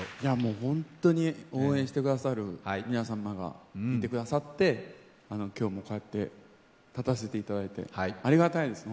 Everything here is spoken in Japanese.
本当に応援してくださる皆様がいてくださって今日もこうやって立たせていただいて本当にありがたいです。